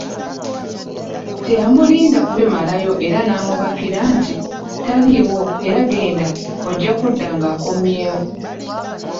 Teyamulinda kubimalayo era n'amubakira nti, taliiwo era genda ojja kudda ng'akomyewo.